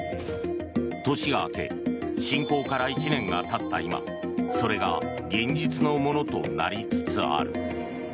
年が明け侵攻から１年がたった今それが現実のものとなりつつある。